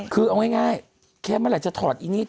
คือเอาง่ายแค่เมื่อไหร่จะถอดอีนี่